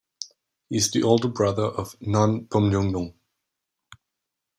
He is the older brother of Non Boonjumnong.